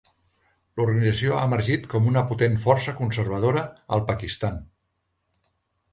L'organització ha emergit com una "potent força conservadora" al Pakistan.